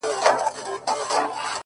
• خیر دی قبر ته دي هم په یوه حال نه راځي،